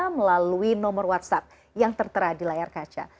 melalui nomor whatsapp yang tertera di layar kaca